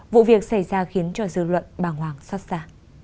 vụ việc xảy ra khiến cho dư luận bàng hoàng xót xa